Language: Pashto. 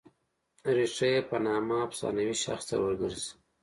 ریښه یې په نامه افسانوي شخص ته ور ګرځي.